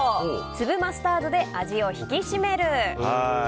粒マスタードで味を引きしめる！